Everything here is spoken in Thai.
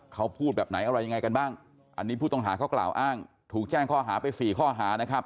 เขาพูดแบบไหนอะไรยังไงกันบ้างอันนี้ผู้ต้องหาเขากล่าวอ้างถูกแจ้งข้อหาไปสี่ข้อหานะครับ